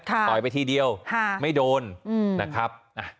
ต่อยไปทีเดียวไม่โดนนะครับ